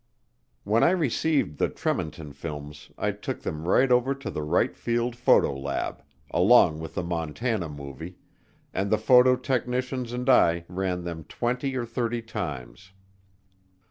When I received the Tremonton films I took them right over to the Wright Field photo lab, along with the Montana Movie, and the photo technicians and I ran them twenty or thirty times.